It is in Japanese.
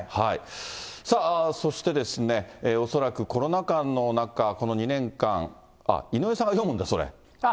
さあ、そしてですね、恐らくコロナ禍の中、この２年間、井上さんが読むんだ、それ。